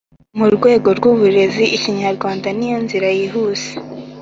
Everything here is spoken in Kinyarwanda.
Mu rwego rw’uburezi, Ikinyarwanda ni yo inzira yihuse